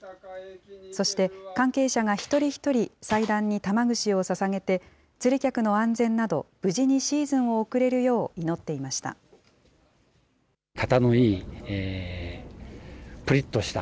そして、関係者が一人一人祭壇に玉串をささげて釣り客の安全など、無事にシーズンを送れるよう祈っていました。